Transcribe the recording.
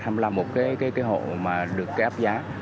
một cái hộ mà được áp giá